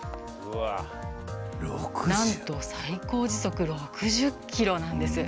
なんと最高時速６０キロなんです。